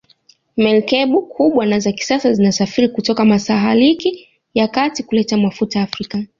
Merikebu kubwa na za kisasa zinasafiri kutoka masahariki ya kati kuleta mafuta Afrika